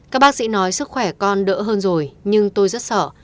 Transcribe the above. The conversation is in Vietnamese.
các bác sĩ nói sức khỏe con đỡ hơn rồi nhưng tôi rất sợ